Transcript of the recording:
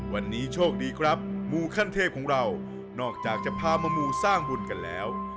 วันนี้โชคดีครับมูขั้นเทพของเรานอกจากจะพามามูสร้างบุญกันแล้ว